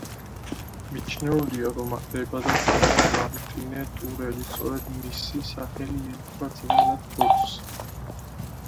მიჩნეულია, რომ აქ დაიბადა წმინდა მარტინე ტურელი, სწორედ მისი სახელი ერქვა ძველად ბორცვს.